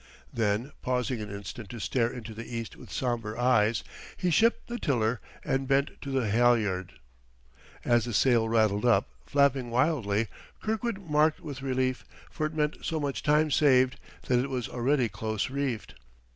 Then, pausing an instant to stare into the East with somber eyes, he shipped the tiller and bent to the halyards. As the sail rattled up, flapping wildly, Kirkwood marked with relief for it meant so much time saved that it was already close reefed.